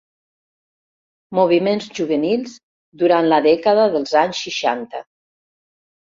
Moviments juvenils durant la dècada dels anys seixanta.